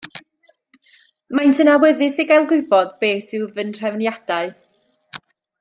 Maent yn awyddus i gael gwybod beth yw fy nhrefniadau.